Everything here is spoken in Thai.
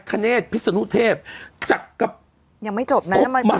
คเนศพิศนุเทพจักกับยังไม่จบนั้นมันมันต้องยาว